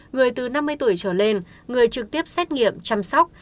người từ năm mươi tuổi trở lên người trực tiếp xét nghiệm chăm sóc